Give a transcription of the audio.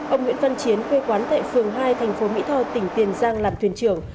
ông nguyễn văn chiến quê quán tại phường hai thành phố mỹ tho tỉnh tiền giang làm thuyền trưởng